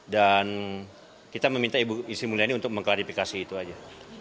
dan kita meminta ibu sri mulyani untuk mengklarifikasi itu saja